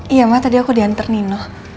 iya ma tadi aku dianter nino